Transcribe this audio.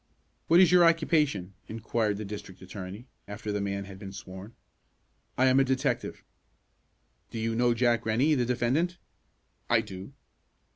"What is your occupation?" inquired the district attorney, after the man had been sworn. "I am a detective." "Do you know Jack Rennie, the defendant?" "I do."